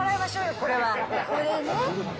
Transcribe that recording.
これね。